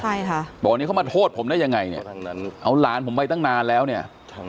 ใช่ค่ะบอกนี่เขามาโทษผมได้ยังไงเนี่ยเอาหลานผมไปตั้งนานแล้วเนี่ย